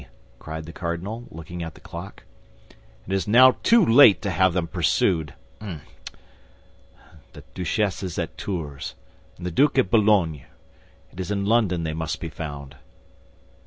cried the cardinal, looking at the clock; "and now it is too late to have them pursued. The duchess is at Tours, and the duke at Boulogne. It is in London they must be found."